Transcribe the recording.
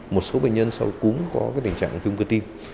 một số bệnh nhân sau cúm có tình trạng viêm cơ tim